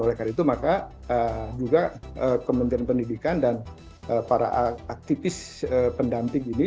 oleh karena itu maka juga kementerian pendidikan dan para aktivis pendamping ini